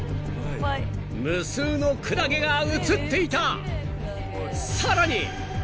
［無数のクラゲが映っていた］